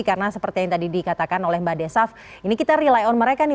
karena seperti yang tadi dikatakan oleh mbak desaf ini kita rely on mereka nih